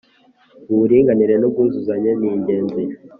Uburinganire n’ubwuzuzanye ni ingenzi